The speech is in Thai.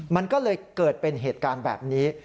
มันก็เลยเกิดเป็นเหตุการณ์แบบนี้